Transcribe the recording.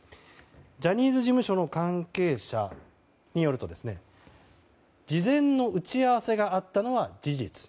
ジャニーズ事務所の関係者によると事前の打ち合わせがあったのは事実。